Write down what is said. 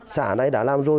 xã này đã làm rồi